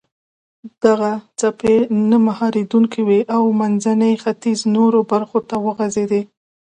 دغه څپې نه مهارېدونکې وې او منځني ختیځ نورو برخو ته وغځېدې.